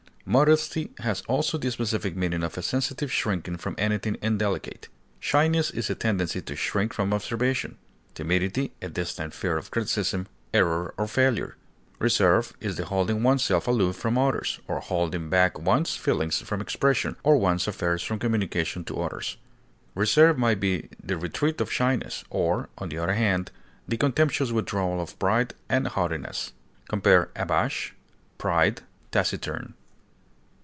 Modesty has also the specific meaning of a sensitive shrinking from anything indelicate. Shyness is a tendency to shrink from observation; timidity, a distinct fear of criticism, error, or failure. Reserve is the holding oneself aloof from others, or holding back one's feelings from expression, or one's affairs from communication to others. Reserve may be the retreat of shyness, or, on the other hand, the contemptuous withdrawal of pride and haughtiness. Compare ABASH; PRIDE; TACITURN.